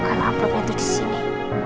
kalau aplopnya tuh disini